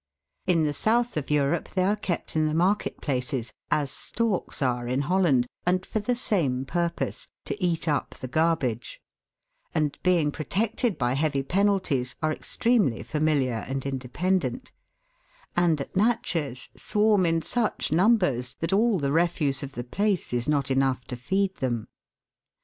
In the south of Europe they are kept in the market places, as storks are in Holland, and for the same purpose to eat up the garbage; and, being protected by heavy penalties, are extremely familiar and independent; and at Natchez swarm in such numbers that all the refuse of the place is not enough to feed them.